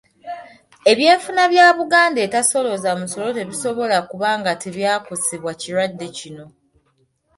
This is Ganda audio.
Ebyenfuna bya Buganda etasolooza musolo tebisobola kuba nga tebyakosebwa kirwadde kino.